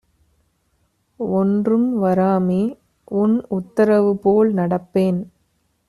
ஒன்றும் வராமேஉன் உத்தரவு போல்நடப்பேன்!